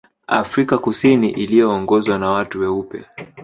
Afrika Kusini iliyoongozwa na watu weupe